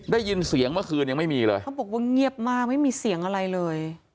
ได้ยินเสียงเมื่อคืนยังไม่มีเลยเขาบอกว่าเงียบมากไม่มีเสียงอะไรเลย